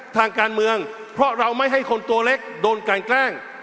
ทางการเมืองเพราะเราไม่ให้คนตัวเล็กโดนกันแกล้ง